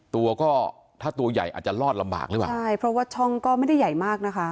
ตัวก็ถ้าตัวใหญ่อาจจะรอดลำบากหรือเปล่าใช่เพราะว่าช่องก็ไม่ได้ใหญ่มากนะคะ